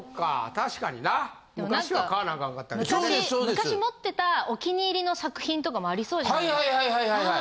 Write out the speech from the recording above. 昔持ってたお気に入りの作品とかもありそうじゃないですか。